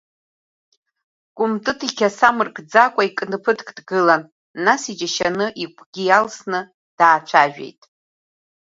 Кәымтыт иқьаса амыркӡакәа икны ԥыҭк дгылан, нас иџьашьаны, игәгьы иалсны, даацәажәеит…